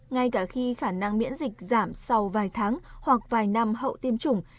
ngay cả khi khả năng miễn dịch giảm sau vài tháng hoặc vài năm hậu tiêm chủng